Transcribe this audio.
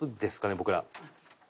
僕ら。